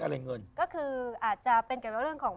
อ้าวงิตพิวมวสินะ